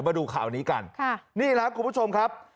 มาดูข่าวนี้กันค่ะนี่แหละคุณผู้ชมครับ